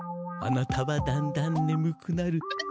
あなたはだんだんねむくなる。